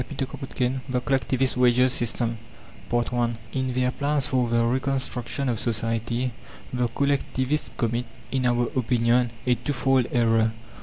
CHAPTER XIII THE COLLECTIVIST WAGES SYSTEM I In their plans for the reconstruction of society the collectivists commit, in our opinion, a twofold error.